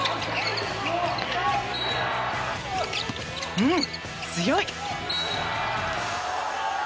うん、強い！